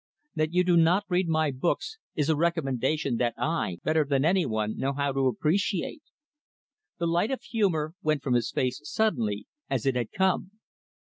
That you do not read my books is a recommendation that I, better than any one, know how to appreciate." The light of humor went from his face, suddenly, as it had come.